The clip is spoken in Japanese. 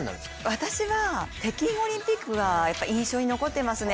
私は北京オリンピックがやっぱり印象に残っていますね。